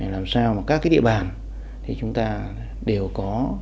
làm sao mà các cái địa bàn thì chúng ta đều có